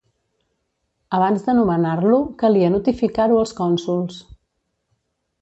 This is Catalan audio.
Abans de nomenar-lo calia notificar-ho als cònsols.